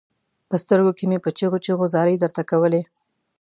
په سترګو کې مې په چيغو چيغو زارۍ درته کولې.